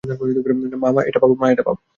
মা, এটা পাপ।